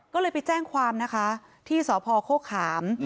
ก็เลยไปแจ้งความนะคะที่สพโฆขาม